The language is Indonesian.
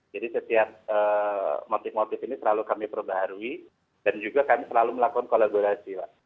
jadi setiap motif motif ini selalu kami perbaharui dan juga kami selalu melakukan kolaborasi